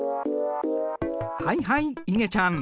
はいはいいげちゃん。